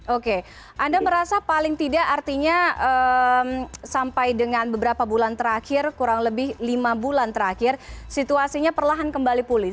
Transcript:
oke anda merasa paling tidak artinya sampai dengan beberapa bulan terakhir kurang lebih lima bulan terakhir situasinya perlahan kembali pulih